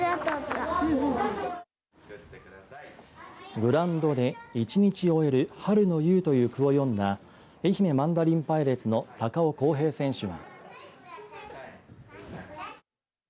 グランドで一日終える春の夕という句を詠んだ愛媛マンダリンパイレーツの高尾浩平選手は。